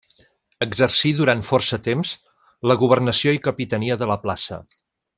Exercí durant força temps la governació i capitania de la plaça.